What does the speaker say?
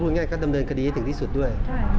ง่ายก็ดำเนินคดีให้ถึงที่สุดด้วย